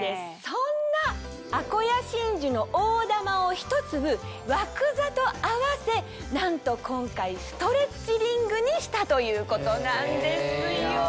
そんなあこや真珠の大珠をひと粒枠座と合わせなんと今回ストレッチリングにしたということなんですよ。